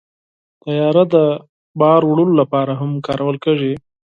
طیاره د بار وړلو لپاره هم کارول کېږي.